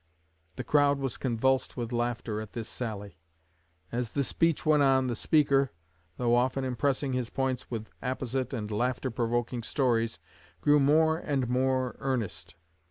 The crowd was convulsed with laughter at this sally. As the speech went on, the speaker, though often impressing his points with apposite and laughter provoking stories, grew more and more earnest.